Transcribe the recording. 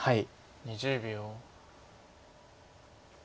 ２０秒。